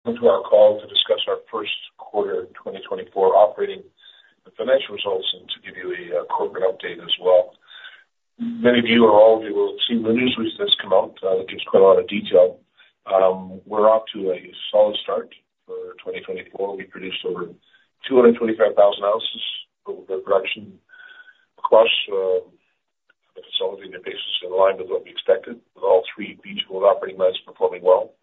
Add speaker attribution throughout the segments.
Speaker 1: ...Welcome to our call to discuss our first quarter 2024 operating and financial results, and to give you a corporate update as well. Many of you or all of you will have seen the news release that's come out. It gives quite a lot of detail. We're off to a solid start for 2024. We produced over 225,000 ounces of production across the facilities and the places in line with what we expected, with all three B2Gold operating mines performing well.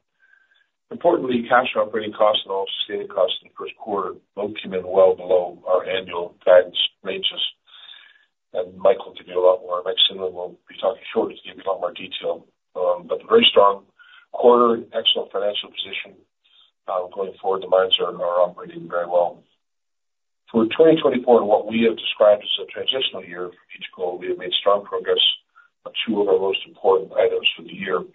Speaker 1: Importantly, cash operating costs and all-in sustaining costs in the first quarter both came iinn well below our annual guidance ranges, and Mike Cinnamond can give you a lot more. Mike Cinnamond will be talking shortly to give you a lot more detail. But very strong quarter, excellent financial position, going forward, the mines are operating very well. For 2024, and what we have described as a transitional year for B2Gold, we have made strong progress on two of our most important items for the year.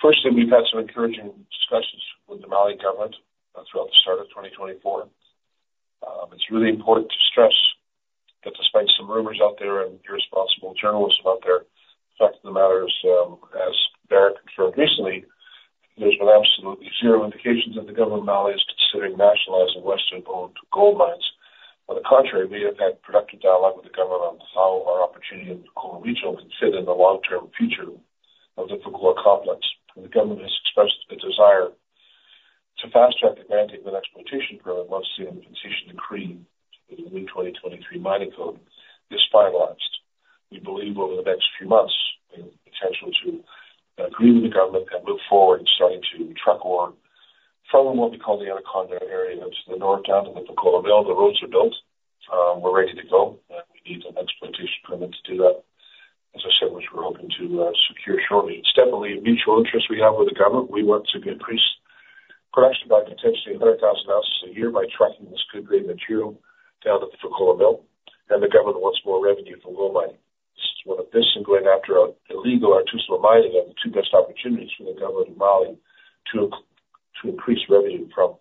Speaker 1: Firstly, we've had some encouraging discussions with the Mali government, throughout the start of 2024. It's really important to stress that despite some rumors out there and irresponsible journalists out there, the fact of the matter is, as Barrick confirmed recently, there's been absolutely zero indications that the government of Mali is considering nationalizing western-owned gold mines. On the contrary, we have had productive dialogue with the government on how our opportunity in the Fekola region could fit in the long-term future of the Fekola complex. The government has expressed a desire to fast-track the granting of an Exploitation Permit once the Implementation Decree in the new 2023 mining code is finalized. We believe over the next few months, we have potential to agree with the government and look forward to starting to truck ore from what we call the Anaconda Area to the north, down to the Fekola mill. The roads are built. We're ready to go, and we need an Exploitation Permit to do that. As I said, which we're hoping to secure shortly. It's definitely a mutual interest we have with the government. We want to increase production by potentially 100,000 ounces a year by trucking this good grade material down to the Fekola mill, and the government wants more revenue from gold mining. This is one of this, and going after our illegal artisanal mining are the two best opportunities for the government of Mali to increase revenue from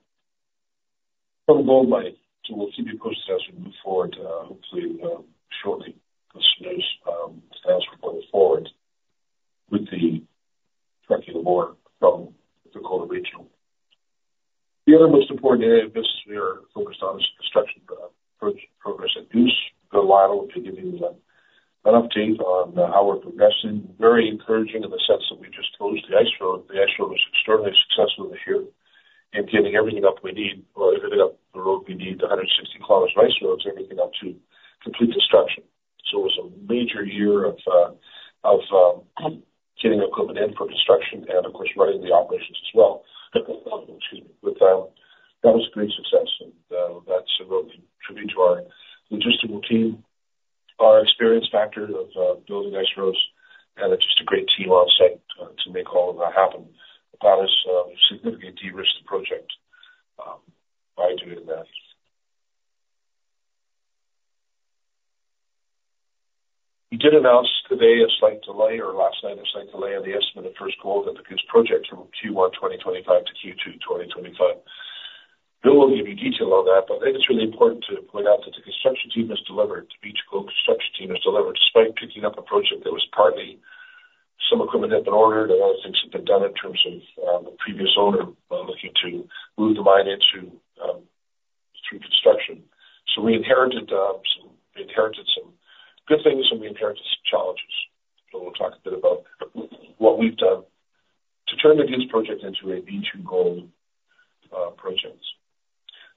Speaker 1: gold mining. So we'll keep you posted as we move forward, hopefully, shortly, as soon as the plans are going forward with the trucking ore from the Fekola region. The other most important area of business we are focused on is the construction progress at Goose. Clive can give you an update on how we're progressing. Very encouraging in the sense that we just closed the Ice Road. The Ice Road was extremely successful this year in getting everything up we need or everything up the road, we need 160 km of Ice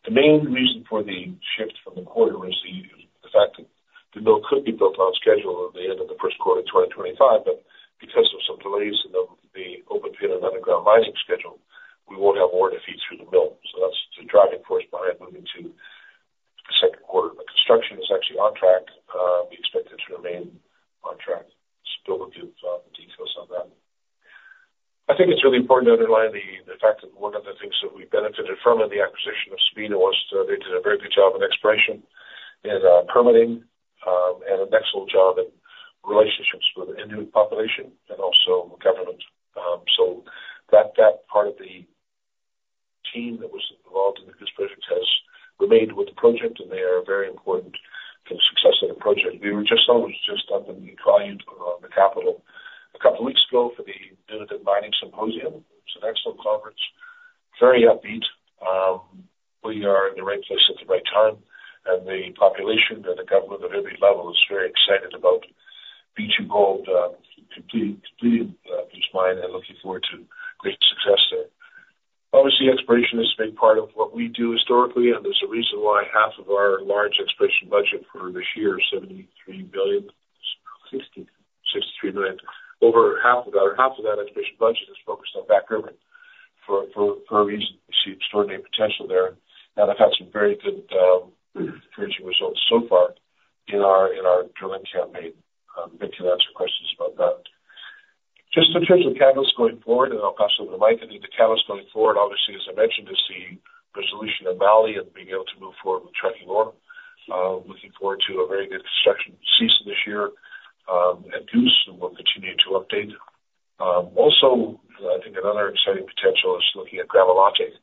Speaker 1: The main reason for the shift from the quarter was the fact that the mill could be built on schedule at the end of the first quarter of 2025, but because of some delays in the open pit and underground mining schedule, we won't have ore to feed through the mill. So that's the driving force by it moving to the second quarter. The construction is actually on track. We expect it to remain on track. So Bill will give the details on that. I think it's really important to underline the fact that one of the things that we benefited from in the acquisition of Sabina was that they did a very good job in exploration, in permitting, and an excellent job in relationships with the Inuit population and also the government. So that part of the team that was involved in the Goose Project has remained with the project, and they are very important to the success of the project. Was just up in Iqaluit, the capital, a couple of weeks ago for the Nunavut Mining Symposium. It was an excellent conference, very upbeat. We are in the right place at the right time, and the population and the government at every level is very excited about B2Gold completing the Goose mine and looking forward to great success there. Obviously, exploration is a big part of what we do historically, and there's a reason why half of our large exploration budget for this year, $63 million. Over half of that, half of that exploration budget is focused on Baffin Island for a reason. We see extraordinary potential there, and I've had some very good encouraging results so far in our drilling campaign. Vic can answer questions about that. Just in terms of catalysts going forward, and I'll pass over to Mike, I think the catalyst going forward, obviously, as I mentioned, is the resolution in Mali and being able to move forward with trucking ore. Looking forward to a very good construction season this year at Goose, and we'll continue to update. Also, I think another exciting potential is looking at Gramalote.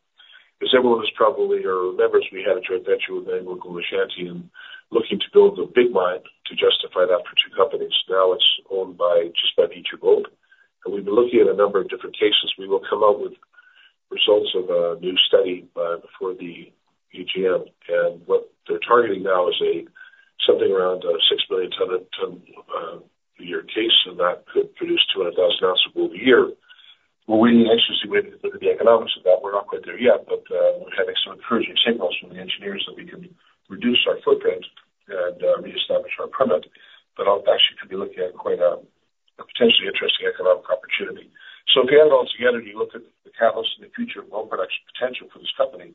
Speaker 1: As everyone probably remembers, we had a joint venture with AngloGold Ashanti and looking to build a big mine to justify that for two companies. Now it's owned by just by B2Gold, and we've been looking at a number of different cases. We will come out with results of a new study before the AGM. And what they're targeting now is something around 6 million tonnes a year case, and that could produce 200,000 ounces of gold a year. We're waiting anxiously to look at the economics of that. We're not quite there yet, but we've had some encouraging signals from the engineers that we can reduce our footprint and reestablish our permit. But actually could be looking at quite a potentially interesting economic opportunity. So if you add it all together, you look at the catalyst and the future of gold production potential for this company,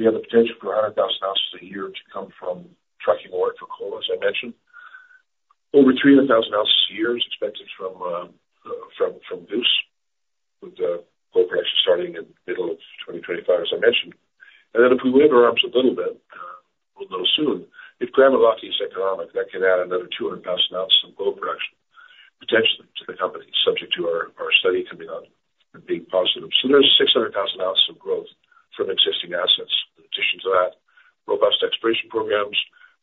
Speaker 1: we have the potential for 100,000 ounces a year to come from trucking ore for Fekola, as I mentioned. Over 300,000 ounces a year is expected from Goose, with gold production starting in the middle of 2025, as I mentioned. And then if we wave our arms a little bit, although soon, if Gramalote is economic, that can add another 200,000 ounces of gold production potentially to the company, subject to our study coming out and being positive. So there's 600,000 ounces of growth from existing assets. In addition to that, robust exploration programs,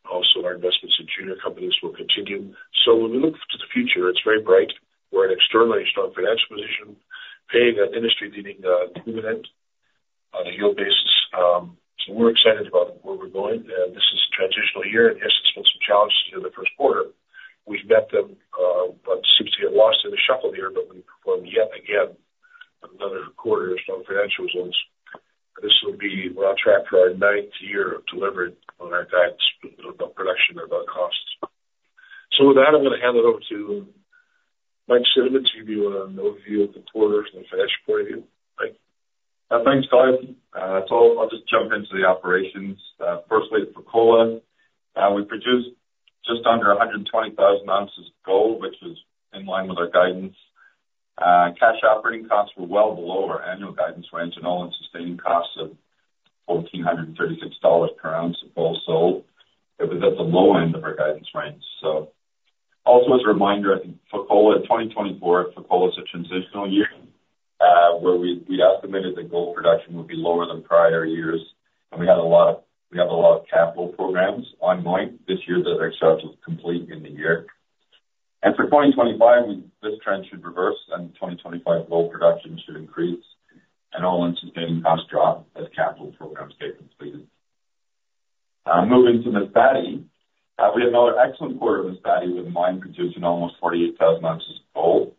Speaker 1: also our investments in junior companies will continue. So when we look to the future, it's very bright. We're in extremely strong financial position, paying an industry-leading dividend on a yield basis. So we're excited about where we're going, and this is a transitional year, and yes, there's been some challenges in the first quarter. We've met them, but seems to get lost in the shuffle here, but we performed yet again, another quarter of strong financial results. This will be, we're on track for our ninth year of delivering on our guidance about production and about costs. So with that, I'm gonna hand it over to Mike Cinnamond to give you an overview of the quarter and the financial point of view. Thank you.
Speaker 2: Thanks, guys. So I'll just jump into the operations. Firstly, Fekola, we produced just under 120,000 ounces of gold, which is in line with our guidance. Cash operating costs were well below our annual guidance range and all-in sustaining costs of $1,436 per ounce of gold sold. It was at the low end of our guidance range. So also as a reminder, I think Fekola, 2024, Fekola is a transitional year, where we, we'd estimated that gold production would be lower than prior years, and we have a lot of capital programs ongoing this year that are scheduled to complete in the year. For 2025, we, this trend should reverse, and in 2025, gold production should increase, and all-in sustaining costs drop as capital programs get completed. Moving to Masbate, we had another excellent quarter at Masbate, with the mine producing almost 48,000 ounces of gold.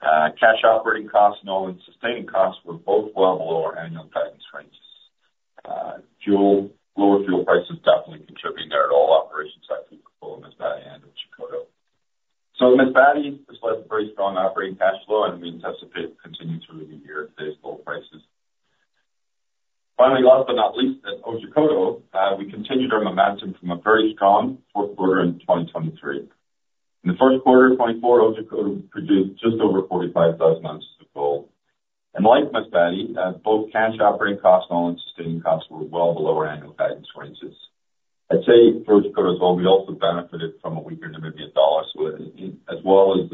Speaker 2: Cash operating costs and all-in sustaining costs were both well below our annual guidance ranges. Fuel, lower fuel prices definitely contributing there at all operations at Fekola, Masbate, and Otjikoto. Masbate, this led to very strong operating cash flow, and we anticipate continuing through the year at today's gold prices. Finally, last but not least, at Otjikoto, we continued our momentum from a very strong fourth quarter in 2023. In the first quarter of 2024, Otjikoto produced just over 45,000 ounces of gold. Like Masbate, both cash operating costs and all-in sustaining costs were well below our annual guidance ranges. I'd say for Otjikoto as well, we also benefited from a weaker Namibian dollar. So, as well as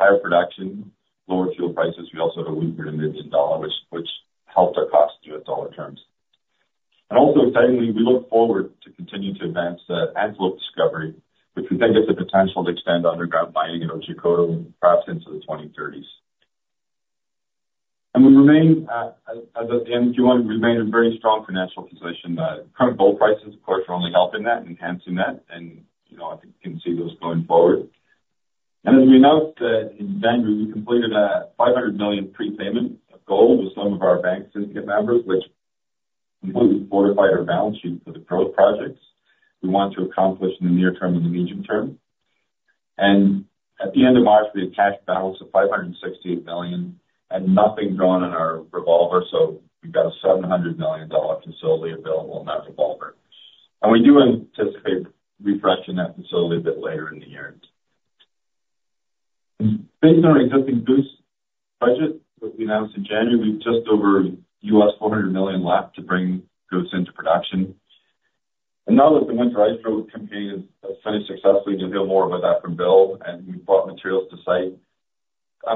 Speaker 2: higher production, lower fuel prices, we also had a weaker Namibian dollar, which helped our costs in US dollar terms. And also excitingly, we look forward to continuing to advance the Antelope discovery, which we think has the potential to extend underground mining in Otjikoto perhaps into the twenty-thirties. And we remain, as at the end of Q1, we remain in very strong financial position. Current gold prices, of course, are only helping that, enhancing that, and, you know, I think you can see those going forward. And as we announced in January, we completed a $500 million prepayment of gold with some of our bank syndicate members, which completely fortified our balance sheet for the growth projects we want to accomplish in the near term and the medium term. At the end of March, we had a cash balance of $568 million and nothing drawn in our revolver, so we've got a $700 million facility available in that revolver. We do anticipate refreshing that facility a bit later in the year. Based on our existing Goose budget that we announced in January, we've just over $400 million left to bring Goose into production. Now that the winter ice road campaign has finished successfully, you'll hear more about that from Bill, and we've brought materials to site.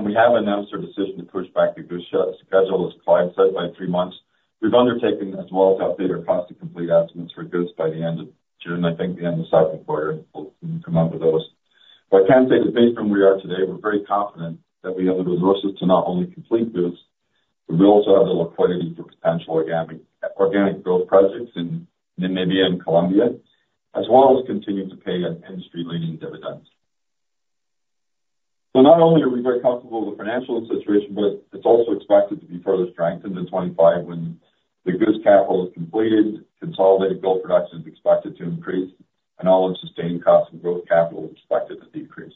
Speaker 2: We have announced our decision to push back the Goose schedule, as Clive said, by 3 months. We've undertaken, as well, to update our cost to complete estimates for Goose by the end of June, I think, the end of the second quarter; we'll come out with those. But I can say that based on where we are today, we're very confident that we have the resources to not only complete Goose, but we also have the liquidity for potential organic, organic growth projects in Namibia and Colombia, as well as continuing to pay an industry-leading dividend. So not only are we very comfortable with the financial situation, but it's also expected to be further strengthened in 2025 when the Goose capital is completed, consolidated gold production is expected to increase, and all-in sustaining costs and growth capital is expected to decrease.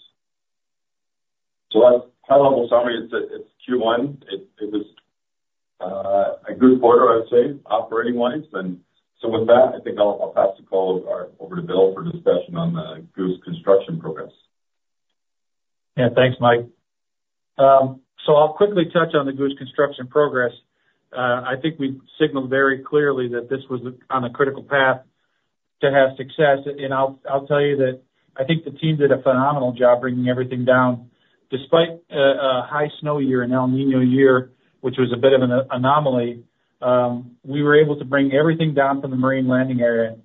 Speaker 2: So a high level summary, it's Q1. It was a good quarter, I would say, operating-wise. And so with that, I think I'll pass the call over to Will for discussion on the Goose construction progress.
Speaker 3: Yeah, thanks, Mike. So I'll quickly touch on the Goose construction progress. I think we've signaled very clearly that this was on a critical path.... to have success, and I'll tell you that I think the team did a phenomenal job bringing everything down. Despite a high snow year, an El Niño year, which was a bit of an anomaly, we were able to bring everything down from the marine laydown area.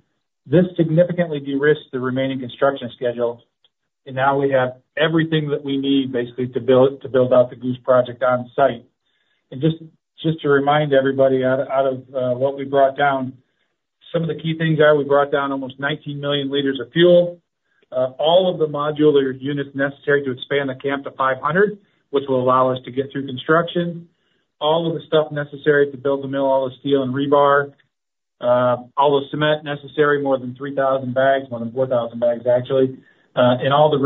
Speaker 3: This significantly de-risked the remaining construction schedule, and now we have everything that we need, basically, to build out the Goose Project on site. And just to remind everybody out of what we brought down, some of the key things are we brought down almost 19 million liters of fuel, all of the modular units necessary to expand the camp to 500, which will allow us to get through construction. All of the stuff necessary to build the mill, all the steel and rebar, all the cement necessary, more than 3,000 bags, more than 4,000 bags, actually. And all the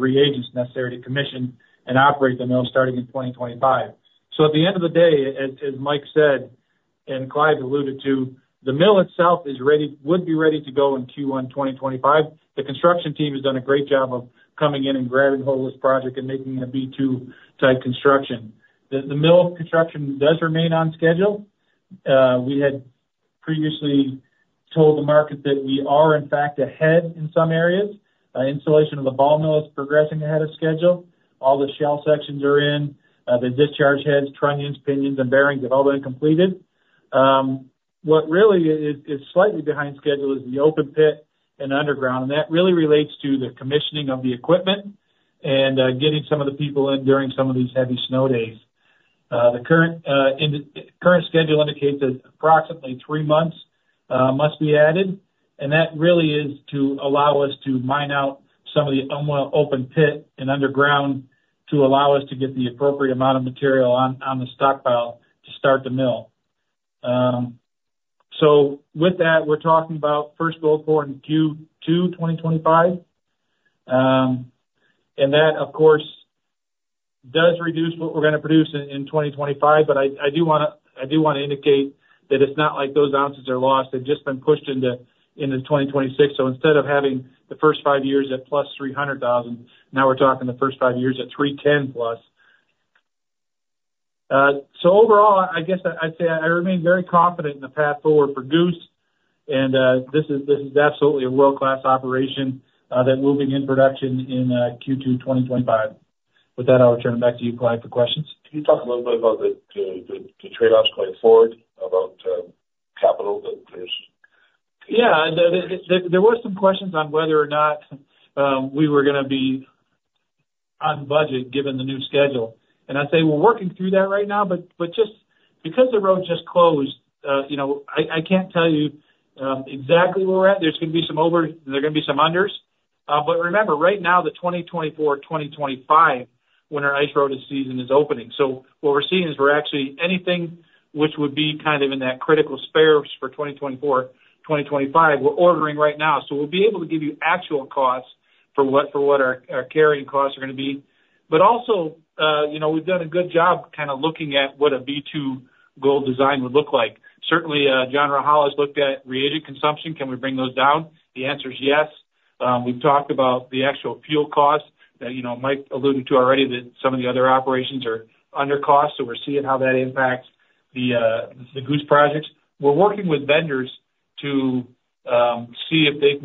Speaker 3: reagents necessary to commission and operate the mill starting in 2025. So at the end of the day, as Mike said, and Clive alluded to, the mill itself is ready, would be ready to go in Q1 2025. The construction team has done a great job of coming in and grabbing hold of this project and making it a B2-type construction. The mill construction does remain on schedule. We had previously told the market that we are in fact ahead in some areas. Installation of the ball mill is progressing ahead of schedule. All the shell sections are in, the discharge heads, trunnions, pinions, and bearings have all been completed. What really is, is slightly behind schedule is the open pit and underground, and that really relates to the commissioning of the equipment and getting some of the people in during some of these heavy snow days. The current schedule indicates that approximately three months must be added, and that really is to allow us to mine out some of the Umwelt open pit and underground, to allow us to get the appropriate amount of material on the stockpile to start the mill. So with that, we're talking about first gold pour in Q2 2025. And that, of course, does reduce what we're gonna produce in 2025, but I do wanna, I do wanna indicate that it's not like those ounces are lost. They've just been pushed into 2026. So instead of having the first five years at +300,000, now we're talking the first five years at 310+. So overall, I guess I'd say I remain very confident in the path forward for Goose, and this is absolutely a world-class operation that moving in production in Q2 2025. With that, I'll return it back to you, Clive, for questions.
Speaker 1: Can you talk a little bit about the trade-offs going forward, about capital that's there?
Speaker 3: Yeah, there were some questions on whether or not we were gonna be on budget given the new schedule. And I'd say we're working through that right now, but just because the road just closed, you know, I can't tell you exactly where we're at. There are gonna be some overs and unders. But remember, right now, the 2024/2025 winter ice road season is opening. So what we're seeing is we're actually ordering anything which would be kind of in that critical spares for 2024/2025 right now. So we'll be able to give you actual costs for what our carrying costs are gonna be. But also, you know, we've done a good job kind of looking at what a B2Gold design would look like. Certainly, John Rajala has looked at reagent consumption. Can we bring those down? The answer is yes. We've talked about the actual fuel costs that, you know, Mike alluded to already, that some of the other operations are under cost, so we're seeing how that impacts the, the Goose projects. We're working with vendors to see if they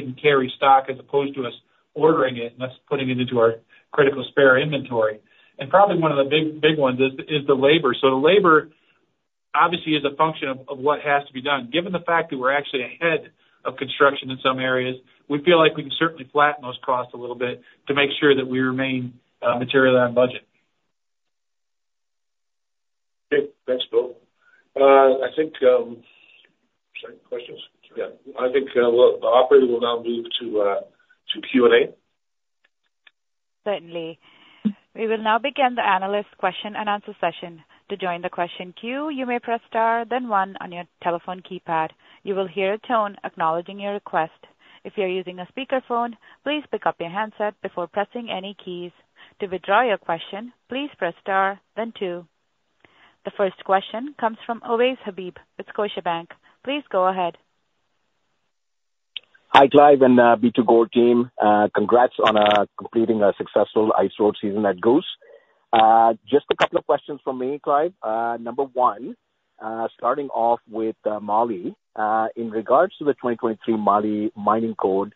Speaker 3: can carry stock as opposed to us ordering it, and that's putting it into our critical spare inventory. And probably one of the big, big ones is the labor. So the labor, obviously, is a function of what has to be done. Given the fact that we're actually ahead of construction in some areas, we feel like we can certainly flatten those costs a little bit to make sure that we remain materially on budget.
Speaker 1: Okay, thanks, Will. I think, sorry, questions? Yeah. I think, well, the operator will now move to, to Q&A.
Speaker 4: Certainly. We will now begin the analyst question and answer session. To join the question queue, you may press star, then one on your telephone keypad. You will hear a tone acknowledging your request. If you are using a speakerphone, please pick up your handset before pressing any keys. To withdraw your question, please press star, then two. The first question comes from Ovais Habib with Scotiabank. Please go ahead.
Speaker 5: Hi, Clive and B2Gold team. Congrats on completing a successful ice road season at Goose. Just a couple of questions from me, Clive. Number one, starting off with Mali. In regards to the 2023 Mali Mining Code,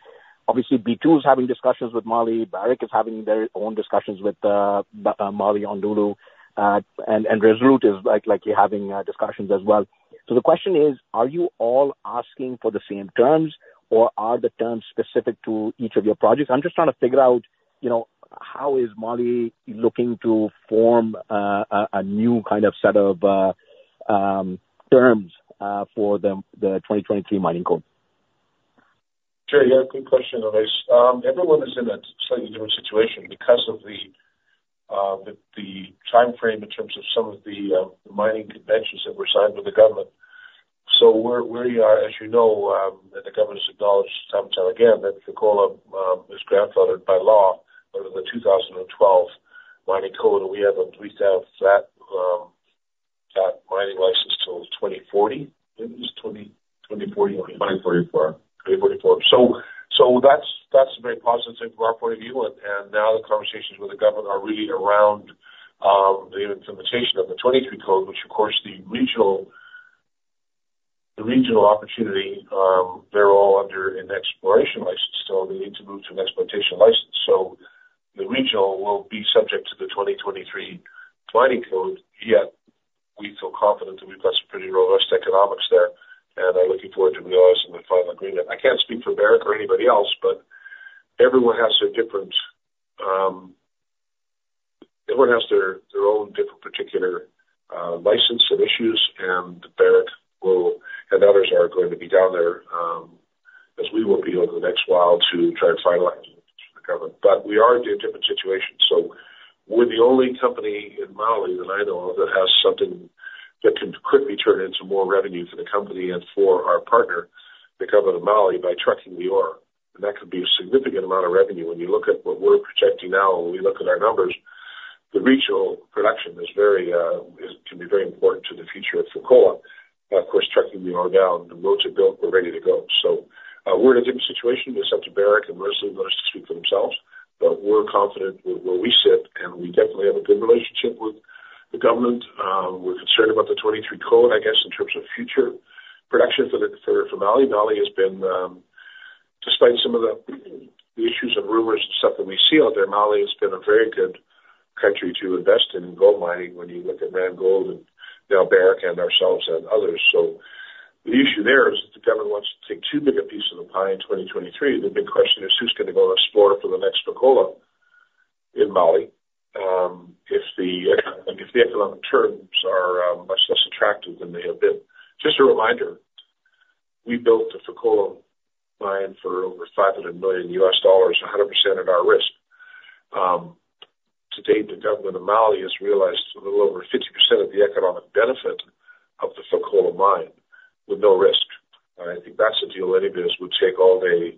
Speaker 5: obviously B2 is having discussions with Mali. Barrick is having their own discussions with Mali on Loulo, and Resolute is likely having discussions as well. So the question is: Are you all asking for the same terms, or are the terms specific to each of your projects? I'm just trying to figure out, you know, how is Mali looking to form a new kind of set of terms for the 2023 mining code?
Speaker 1: Sure, yeah. Good question, Owais. Everyone is in a slightly different situation because of the, the timeframe in terms of some of the mining conventions that were signed with the government. So we're, we are, as you know, and the government's acknowledged time and time again, that the Fekola is grandfathered by law under the 2012 mining code, and we have a three-stage flat, flat mining license till 2040. I think it's twenty, 2040-
Speaker 3: Twenty forty-four.
Speaker 1: 2044. So that's a very positive thing from our point of view, and now the conversations with the government are really around the implementation of the 2023 code, which of course, the regional opportunity, they're all under an exploration license, so they need to move to an exploitation license. So the regional will be subject to the 2023 mining code, yet we feel confident that we've got some pretty robust economics there, and are looking forward to realizing the final agreement. I can't speak for Barrick or anybody else, but everyone has their own different particular license and issues, and Barrick will, and others are going to be down there, as we will be over the next while to try to finalize the government. But we are in two different situations, so we're the only company in Mali, that I know of, that has something that can quickly turn into more revenue for the company and for our partner, the government of Mali, by trucking the ore. And that could be a significant amount of revenue. When you look at what we're projecting now, when we look at our numbers, the regional production is very, can be very important to the future of Fekola. Of course, trucking the ore down, the roads are built, we're ready to go. So, we're in a different situation. It's up to Barrick and Resolute to speak for themselves, but we're confident where, where we sit, and we definitely have a good relationship with the government. We're concerned about the 2023 code, I guess, in terms of future production for Mali. Mali has been, despite some of the issues and rumors and stuff that we see out there, Mali has been a very good country to invest in, in gold mining when you look at Randgold and now Barrick and ourselves and others. So the issue there is, the government wants to take too big a piece of the pie in 2023. The big question is: Who's gonna go and explore for the next Fekola in Mali? If the economic terms are much less attractive than they have been. Just a reminder, we built the Fekola mine for over $500 million, 100% at our risk. To date, the government of Mali has realized a little over 50% of the economic benefit of the Fekola mine with no risk. I think that's a deal any business would take all day,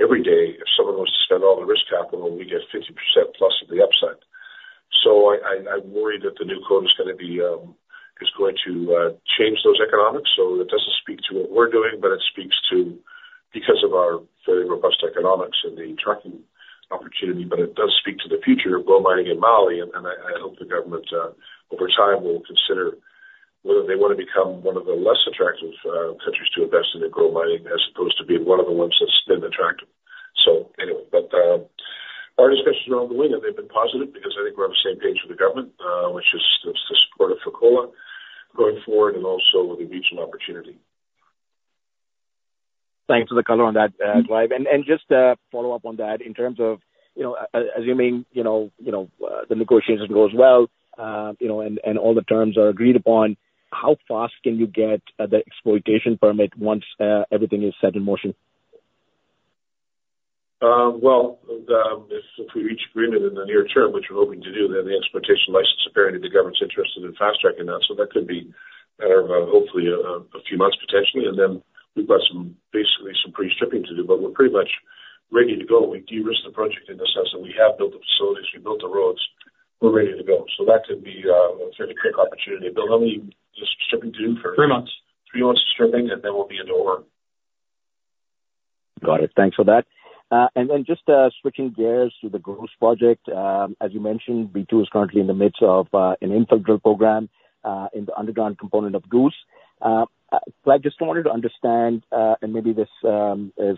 Speaker 1: every day, if someone wants to spend all the risk capital, we get 50% plus of the upside. So I'm worried that the new code is going to change those economics. So it doesn't speak to what we're doing, but it speaks to, because of our very robust economics and the trucking opportunity, but it does speak to the future of gold mining in Mali. And I hope the government, over time, will consider whether they want to become one of the less attractive countries to invest in the gold mining, as opposed to being one of the ones that's been attractive. Our discussions are on the way, and they've been positive, because I think we're on the same page with the government, which is to support of Fekola going forward and also with the regional opportunity.
Speaker 5: Thanks for the color on that, Clive. And just follow up on that, in terms of, you know, assuming, you know, you know, the negotiation goes well, you know, and all the terms are agreed upon, how fast can you get the Exploitation Permit once everything is set in motion?
Speaker 1: Well, if we reach agreement in the near term, which we're hoping to do, then the exploitation license, apparently the government's interested in fast-tracking that, so that could be a matter of, hopefully, a few months, potentially. And then we've got basically some pre-stripping to do, but we're pretty much ready to go. We've de-risked the project in the sense that we have built the facilities, we've built the roads, we're ready to go. So that could be a fairly quick opportunity. There'll only be just stripping to do for-
Speaker 5: Three months.
Speaker 1: Three months of stripping, and then we'll be into ore.
Speaker 5: Got it. Thanks for that. And then just switching gears to the Goose Project. As you mentioned, B2 is currently in the midst of an infill drill program in the underground component of Goose. I just wanted to understand, and maybe this is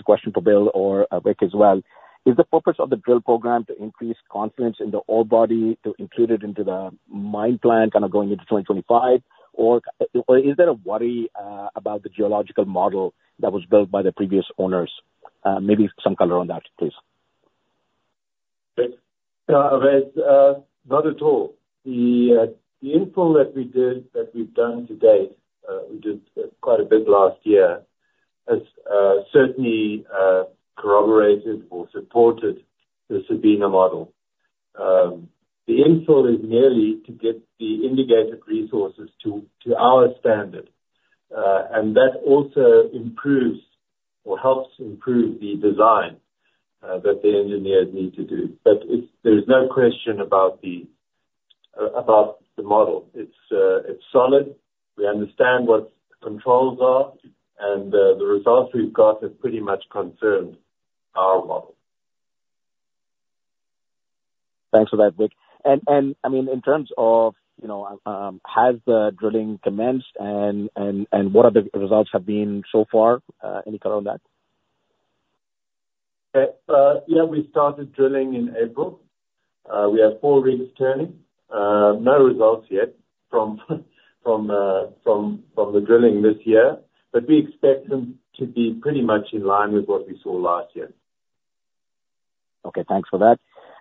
Speaker 5: a question for Will or Vic as well. Is the purpose of the drill program to increase confidence in the ore body, to include it into the mine plan, kind of going into 2025, or is there a worry about the geological model that was built by the previous owners? Maybe some color on that, please.
Speaker 6: Yes. Not at all. The infill that we did, that we've done to date, we did quite a bit last year, has certainly corroborated or supported the Sabina model. The infill is merely to get the indicated resources to our standard. And that also improves, or helps improve the design that the engineers need to do. But it's. There's no question about the model. It's solid. We understand what the controls are, and the results we've got have pretty much confirmed our model.
Speaker 5: Thanks for that, Vic. And, I mean, in terms of, you know, has the drilling commenced, and what are the results have been so far? Any color on that?
Speaker 6: Yeah, we started drilling in April. We have four rigs turning. No results yet from the drilling this year, but we expect them to be pretty much in line with what we saw last year.
Speaker 5: Okay, thanks for that.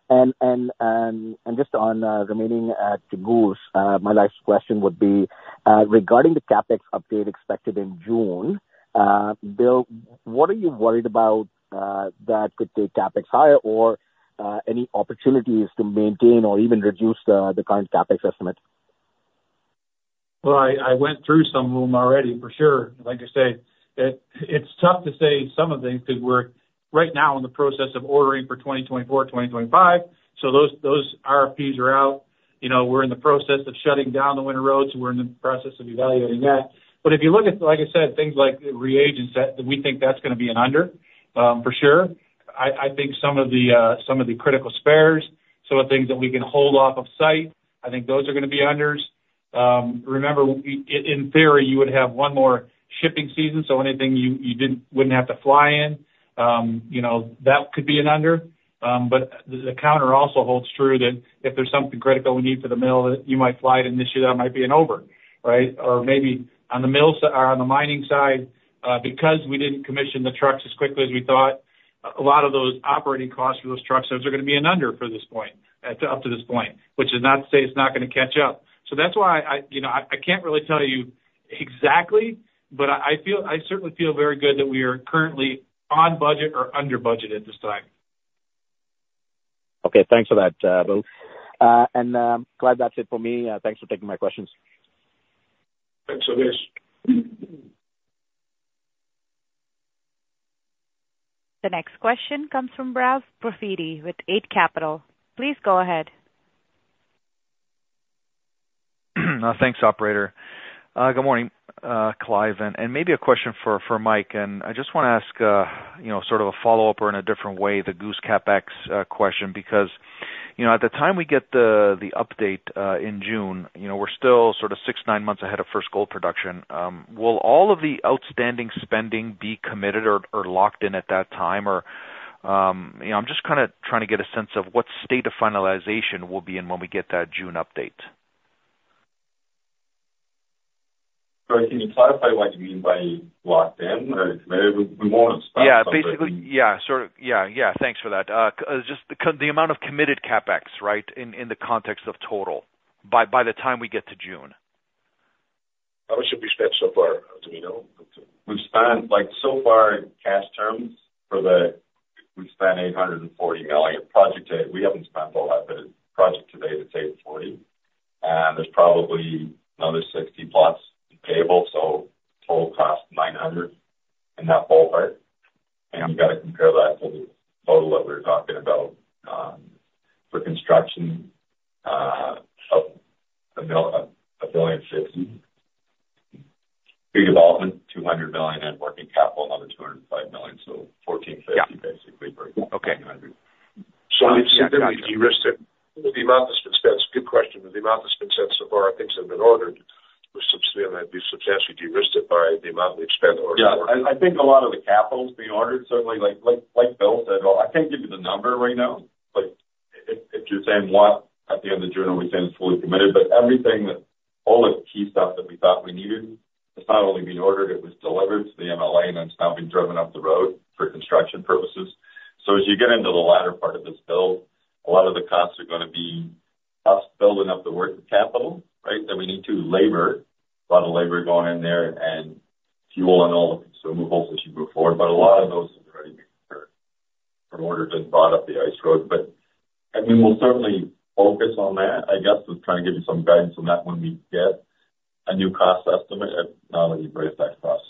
Speaker 5: And just on remaining at the Goose, my last question would be regarding the CapEx update expected in June, Bill, what are you worried about that could take CapEx higher, or any opportunities to maintain or even reduce the current CapEx estimate?
Speaker 3: Well, I went through some of them already, for sure. Like I said, it's tough to say some of them, because we're right now in the process of ordering for 2024, 2025. So those RFPs are out. You know, we're in the process of shutting down the winter roads, we're in the process of evaluating that. But if you look at, like I said, things like reagents, that we think that's gonna be an under, for sure. I think some of the critical spares, some of the things that we can hold off of site, I think those are gonna be unders. Remember, in theory, you would have one more shipping season, so anything you didn't wouldn't have to fly in, you know, that could be an under. But the counter also holds true that if there's something critical we need for the mill, that you might fly it in this year, that might be an over, right? Or maybe on the mill, on the mining side, because we didn't commission the trucks as quickly as we thought, a lot of those operating costs for those trucks are gonna be an under up to this point, which is not to say it's not gonna catch up. So that's why, you know, I can't really tell you exactly, but I certainly feel very good that we are currently on budget or under budget at this time.
Speaker 5: Okay, thanks for that, Will. And, Clive, that's it for me. Thanks for taking my questions.
Speaker 1: Thanks, Ovais.
Speaker 4: The next question comes from Ralph Profiti with Eight Capital. Please go ahead.
Speaker 7: Thanks, operator. Good morning, Clive, and maybe a question for Mike. I just wanna ask, you know, sort of a follow-up or in a different way, the Goose CapEx question, because, you know, at the time we get the update in June, you know, we're still sort of 6-9 months ahead of first gold production. Will all of the outstanding spending be committed or locked in at that time? Or, you know, I'm just kind of trying to get a sense of what state of finalization we'll be in when we get that June update.
Speaker 2: Can you clarify what you mean by locked in or committed? We won't have spent-
Speaker 7: Yeah, basically, yeah, sort of, yeah, yeah, thanks for that. Just the amount of committed CapEx, right? In the context of total, by the time we get to June.
Speaker 1: How much have we spent so far, do we know?
Speaker 2: We've spent, like, so far in cash terms. We've spent $840 million. Project to date, we haven't spent all that, but project to date is $840 million, and there's probably another $60 million+ payable, so total cost, $900 million in that whole part. And you've got to compare that to the total that we were talking about for construction of $1.06 billion. Pre-development, $200 million, and working capital, another $205 million. So $1.45 billion-
Speaker 7: Yeah.
Speaker 2: Basically.
Speaker 7: Okay.
Speaker 1: So we've de-risked it. The amount that's been spent... Good question. The amount that's been spent so far, on things that have been ordered, was substantially de-risked by the amount we've spent or-
Speaker 2: Yeah, I think a lot of the capital is being ordered, certainly, like, like, like Bill said, I can't give you the number right now, but if you're saying what, at the end of June, are we saying it's fully committed, but everything that... All the key stuff that we thought we needed, it's not only being ordered, it was delivered to the MLA, and it's now being driven up the road for construction purposes. So as you get into the latter part of this build, a lot of the costs are gonna be costs building up the working capital, right? Then we need to labor, a lot of labor going in there and fuel and all the consumables as you move forward. But a lot of those have already been ordered and brought up the ice road. But, I mean, we'll certainly focus on that. I guess, we're trying to give you some guidance on that when we get a new cost estimate, and not only breakeven cost.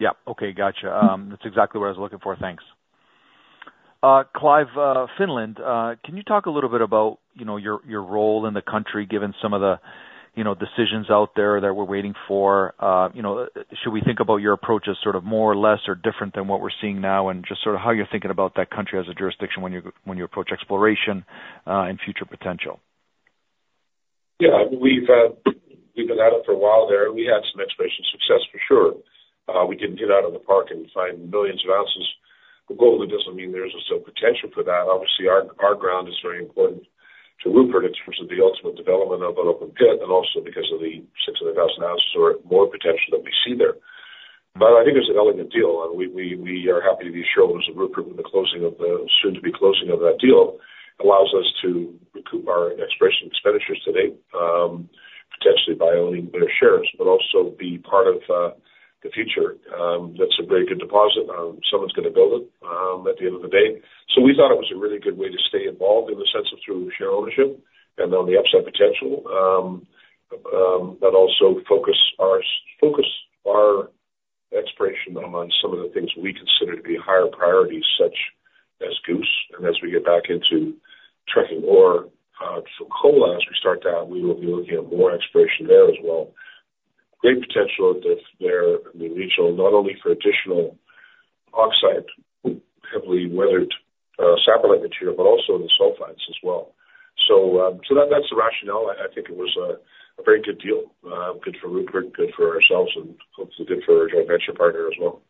Speaker 7: Yeah. Okay, gotcha. That's exactly what I was looking for. Thanks. Clive, Finland, can you talk a little bit about, you know, your, your role in the country, given some of the, you know, decisions out there that we're waiting for? You know, should we think about your approach as sort of more, less, or different than what we're seeing now? And just sort of how you're thinking about that country as a jurisdiction when you, when you approach exploration, and future potential.
Speaker 1: Yeah, we've been at it for a while there. We had some exploration success for sure. We didn't get out of the park and find millions of ounces of gold. That doesn't mean there's still potential for that. Obviously, our ground is very important to Rupert in terms of the ultimate development of an open pit, and also because of the 600,000 ounces or more potential that we see there. But I think there's an elegant deal, and we are happy to be shareholders of Rupert with the closing of the, soon-to-be closing of that deal, allows us to recoup our exploration expenditures today, potentially by owning their shares, but also be part of the future. That's a very good deposit. Someone's gonna build it at the end of the day. So we thought it was a really good way to stay involved in the sense of through share ownership and on the upside potential, but also focus our exploration among some of the things we consider to be higher priority, such as Goose. And as we get back into trucking ore for Fekola, as we start that, we will be looking at more exploration there as well. Great potential there, the regional, not only for additional oxide, heavily weathered saprolite material, but also the sulfides as well. So, that's the rationale. I think it was a very good deal. Good for Rupert, good for ourselves, and hopefully good for our joint venture partner as well.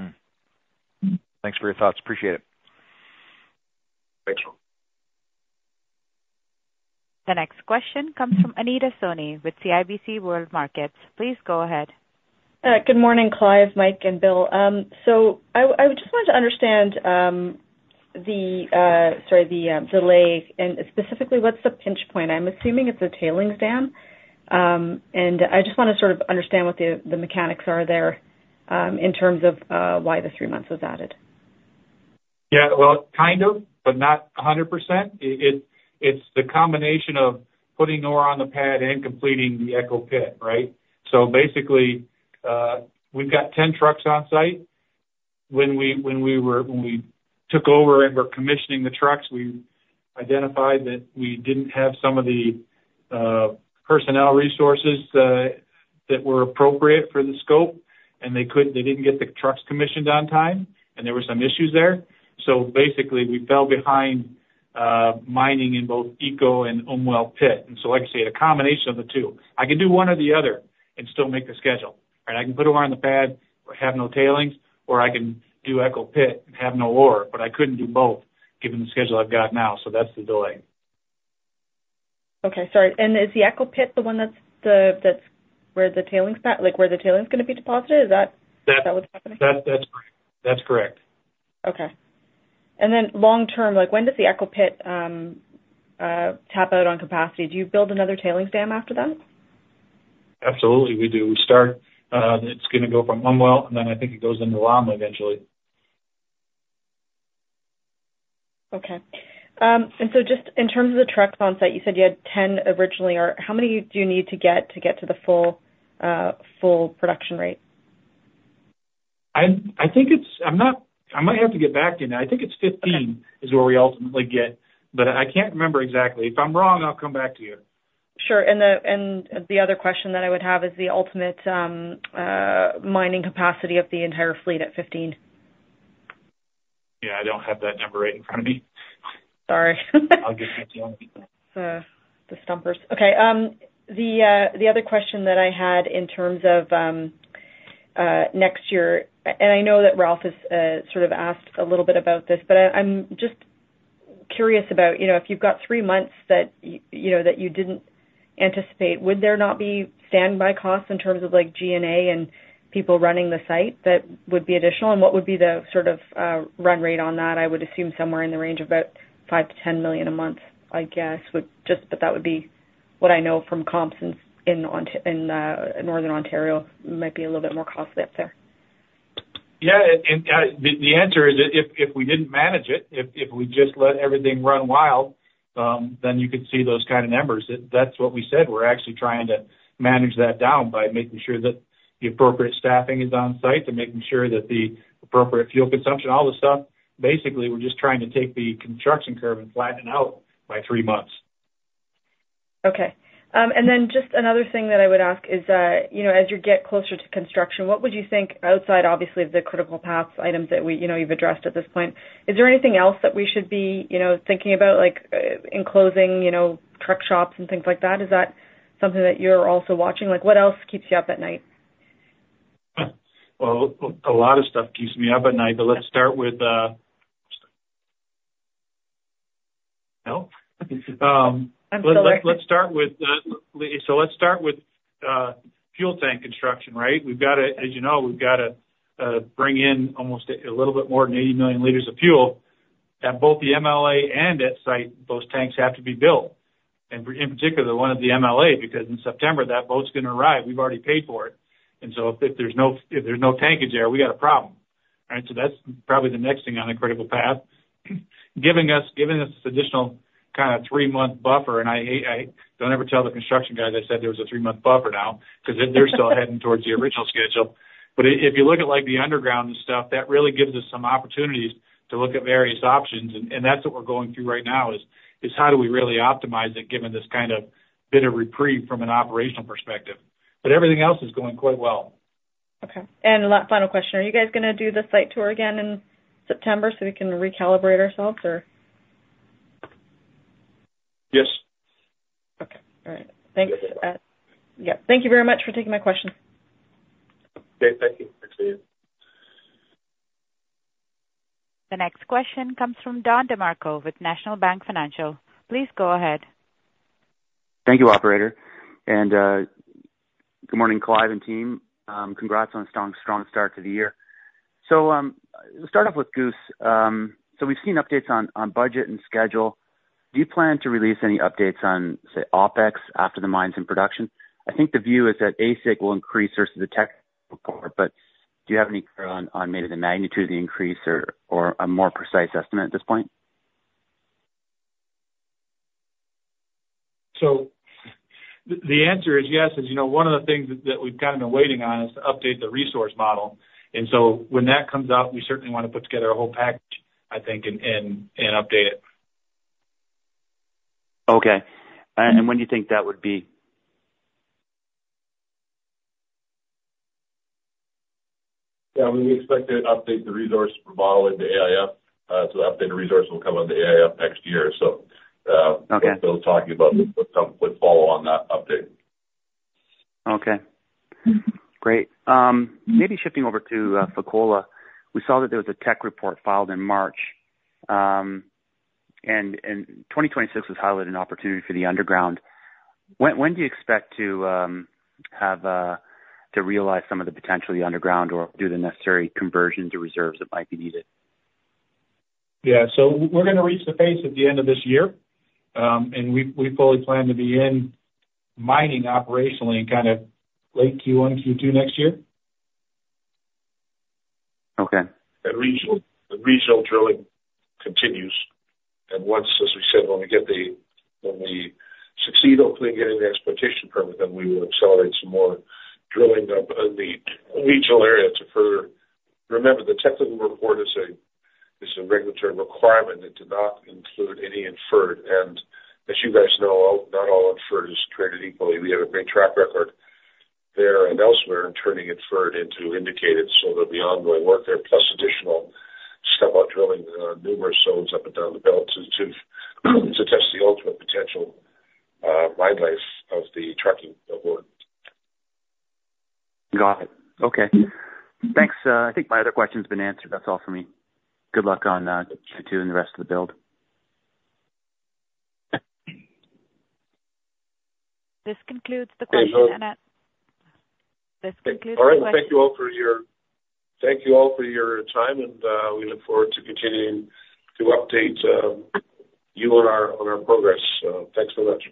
Speaker 7: Hmm. Thanks for your thoughts. Appreciate it.
Speaker 1: Thank you.
Speaker 4: The next question comes from Anita Soni with CIBC World Markets. Please go ahead.
Speaker 8: Good morning, Clive, Mike, and Bill. So I just wanted to understand the delay, and specifically, what's the pinch point? I'm assuming it's a tailings dam. And I just wanna sort of understand what the mechanics are there in terms of why the three months was added.
Speaker 3: Yeah, well, kind of, but not 100%. It's the combination of putting ore on the pad and completing the Echo Pit, right? So basically, we've got 10 trucks on site. When we took over and were commissioning the trucks, we identified that we didn't have some of the personnel resources that were appropriate for the scope, and they didn't get the trucks commissioned on time, and there were some issues there. So basically, we fell behind mining in both Echo Pit and Umwelt pit. And so, like I say, a combination of the two. I can do one or the other and still make the schedule, right? I can put them on the pad or have no tailings, or I can do Echo Pit and have no ore. I couldn't do both given the schedule I've got now. That's the delay.
Speaker 8: Okay, sorry. Is the Echo Pit the one that's the, that's where the tailings at, like, where the tailings is gonna be deposited? Is that-
Speaker 3: That.
Speaker 8: Is that what's happening?
Speaker 3: That's, that's correct. That's correct.
Speaker 8: Okay. And then long term, like when does the Echo Pit tap out on capacity? Do you build another tailings dam after that?
Speaker 3: Absolutely, we do. We start, it's gonna go from Umwelt, and then I think it goes into Llama eventually.
Speaker 8: Okay. And so just in terms of the truck on site, you said you had 10 originally, or how many do you need to get to the full production rate?
Speaker 3: I think it's... I might have to get back to you now. I think it's 15-
Speaker 8: Okay.
Speaker 3: -is where we ultimately get, but I can't remember exactly. If I'm wrong, I'll come back to you.
Speaker 8: Sure. And the other question that I would have is the ultimate mining capacity of the entire fleet at 15?
Speaker 3: Yeah, I don't have that number right in front of me.
Speaker 8: Sorry.
Speaker 3: I'll get back to you on that.
Speaker 8: The stumpers. Okay, the other question that I had in terms of next year, and I know that Ralph has sort of asked a little bit about this, but I'm just curious about, you know, if you've got three months that you know, that you didn't anticipate, would there not be standby costs in terms of like G&A and people running the site, that would be additional? And what would be the sort of run rate on that? I would assume somewhere in the range of about $5 million-$10 million a month, I guess, would just, but that would be what I know from comps in Northern Ontario, might be a little bit more costly up there.
Speaker 3: Yeah, and the answer is if we didn't manage it, if we just let everything run wild, then you could see those kind of numbers. That's what we said. We're actually trying to manage that down by making sure that the appropriate staffing is on site and making sure that the appropriate fuel consumption, all the stuff. Basically, we're just trying to take the construction curve and flatten out by three months.
Speaker 8: Okay. And then just another thing that I would ask is that, you know, as you get closer to construction, what would you think outside obviously, of the critical path items that we, you know, you've addressed at this point, is there anything else that we should be, you know, thinking about, like, in closing, you know, truck shops and things like that? Is that something that you're also watching? Like, what else keeps you up at night?
Speaker 3: Well, a lot of stuff keeps me up at night, but let's start with... Hello?
Speaker 8: I'm still here.
Speaker 3: Let's start with fuel tank construction, right? We've got to, as you know, we've got to bring in almost a little bit more than 80 million liters of fuel at both the MLA and at site. Those tanks have to be built, and in particular, the one at the MLA, because in September, that boat's gonna arrive. We've already paid for it. And so if there's no tankage there, we got a problem. Right? So that's probably the next thing on the critical path. Giving us additional kind of 3-month buffer. Don't ever tell the construction guys I said there was a 3-month buffer now, because they're still heading towards the original schedule. But if you look at, like, the underground and stuff, that really gives us some opportunities to look at various options, and that's what we're going through right now is how do we really optimize it, given this kind of bit of reprieve from an operational perspective. But everything else is going quite well.
Speaker 8: Okay. The final question, are you guys gonna do the site tour again in September so we can recalibrate ourselves or?
Speaker 3: Yes.
Speaker 8: Okay. All right.
Speaker 3: Yes.
Speaker 8: Thanks. Yeah. Thank you very much for taking my questions.
Speaker 3: Okay, thank you. Thanks to you.
Speaker 4: The next question comes from Don DeMarco with National Bank Financial. Please go ahead.
Speaker 9: Thank you, operator. And good morning, Clive and team. Congrats on a strong, strong start to the year. So to start off with Goose, so we've seen updates on budget and schedule. Do you plan to release any updates on, say, OpEx after the mines in production? I think the view is that AISC will increase versus the tech report, but do you have any clarity on maybe the magnitude of the increase or a more precise estimate at this point?
Speaker 3: The answer is yes. As you know, one of the things that we've kind of been waiting on is to update the resource model. When that comes out, we certainly want to put together a whole package, I think, and update it.
Speaker 9: Okay. When do you think that would be?
Speaker 1: Yeah, we expect to update the resource model into AIF. So the updated resource will come out the AIF next year. So,
Speaker 9: Okay.
Speaker 1: We're still talking about the quick follow on that update.
Speaker 9: Okay.
Speaker 4: Mm-hmm.
Speaker 9: Great. Maybe shifting over to Fekola. We saw that there was a tech report filed in March, and, and 2026 was highlighted an opportunity for the underground. When do you expect to have to realize some of the potential of the underground or do the necessary conversions or reserves that might be needed?
Speaker 3: Yeah. So we're gonna reach the pace at the end of this year. And we fully plan to be in mining operationally in kind of late Q1, Q2 next year.
Speaker 9: Okay.
Speaker 1: The regional drilling continues, and once, as we said, when we succeed, hopefully, getting the exploitation permit, then we will accelerate some more drilling up in the regional area to further... Remember, the technical report is a regulatory requirement. It did not include any inferred, and as you guys know, not all inferred is created equally. We have a great track record there and elsewhere in turning inferred into indicated. So there'll be ongoing work there, plus additional step-out drilling, numerous zones up and down the belt to test the ultimate potential, mine life of the Fekola Underground.
Speaker 9: Got it. Okay.
Speaker 4: Mm-hmm.
Speaker 9: Thanks, I think my other question's been answered. That's all for me. Good luck on Q2 and the rest of the build.
Speaker 4: This concludes the question and an-
Speaker 1: Okay, so-
Speaker 4: This concludes the question.
Speaker 1: All right. Thank you all for your time, and we look forward to continuing to update you on our progress. Thanks for that.